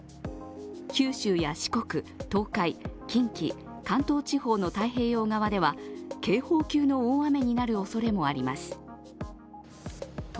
九州や四国、東海、近畿関東地方の太平洋側では警報級の大雨になるおそれもあります。